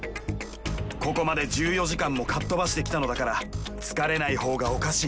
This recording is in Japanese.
ここまで１４時間もかっ飛ばしてきたのだから疲れない方がおかしい。